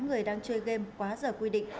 một mươi tám người đang chơi game quá giờ quy định